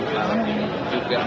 tidak ada harapan untuk bapak jepang